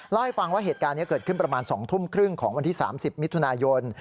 เล่าให้ฟังว่าเหตุการณ์นี้เกิดขึ้นประมาณ๒ทุ่มครึ่งของวันที่๓๐มิถุนายน